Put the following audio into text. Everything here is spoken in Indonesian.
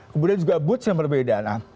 kemudian juga boots yang berbeda